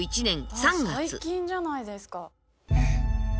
最近じゃないですか。